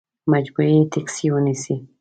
مجبور یې ټیکسي ونیسې.